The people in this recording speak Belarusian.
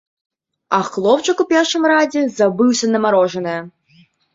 А хлопчык у першым радзе забыўся на марожанае.